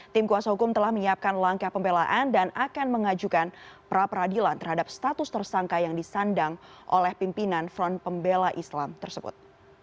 tim kuasa hukum telah menyiapkan langkah pembelaan dan akan mengajukan pra peradilan terhadap status tersangka yang disandang oleh pimpinan front pembela islam tersebut